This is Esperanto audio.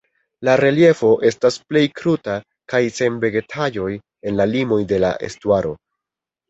La reliefo estas plej kruta kaj sen vegetaĵoj en la limoj de la estuaro.